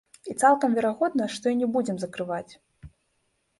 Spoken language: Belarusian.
І цалкам верагодна, што і не будзем закрываць.